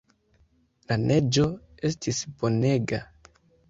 La neĝo estis bonega.